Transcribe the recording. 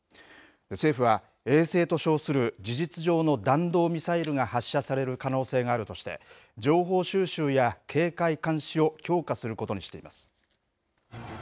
政府は、衛星と称する事実上の弾道ミサイルが発射される可能性があるとして、情報収集や警戒監視を強化することにしています。